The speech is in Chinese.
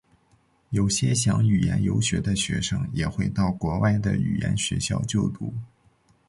有些想语言游学的学生也会到国外的语言学校就读。